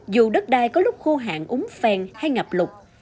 dù đất đai có lúc khô hạn úng phèn hay ngập lục